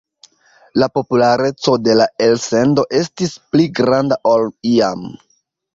La populareco de la elsendo estis pli granda ol iam.